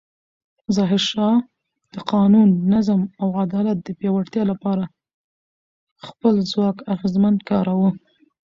ظاهرشاه د قانون، نظم او عدالت د پیاوړتیا لپاره خپل ځواک اغېزمن کاراوه.